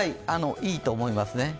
いいと思いますね。